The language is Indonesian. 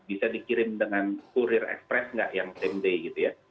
bisa dikirim dengan courier express tidak yang same day